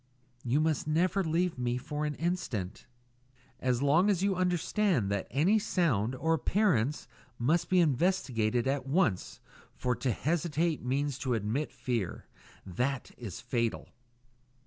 "You must never leave me alone for an instant." "As long as you understand that any sound or appearance must be investigated at once, for to hesitate means to admit fear. That is fatal."